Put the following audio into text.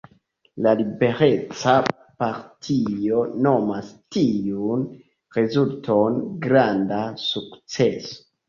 La Libereca Partio nomas tiun rezulton granda sukceso.